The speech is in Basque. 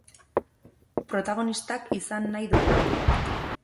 Protagonistak izan nahi dugu.